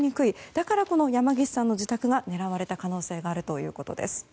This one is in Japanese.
だから山岸さんの自宅が狙われた可能性があるということです。